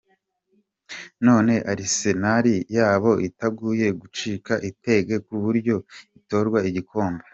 None Arsenal yoba itanguye gucika intege ku buryo itotwara igikombe?.